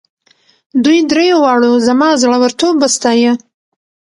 دوی دریو واړو زما زړه ورتوب وستایه.